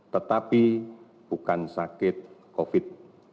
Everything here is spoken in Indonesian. tetapi bukan sakit covid sembilan belas